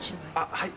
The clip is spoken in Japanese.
はい？